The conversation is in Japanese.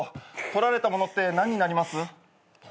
取られたものって何になります？